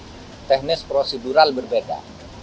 dari sudut teknis prosedural berbeda